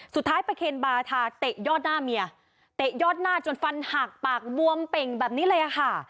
ประเคนบาธาเตะยอดหน้าเมียเตะยอดหน้าจนฟันหักปากบวมเป่งแบบนี้เลยค่ะ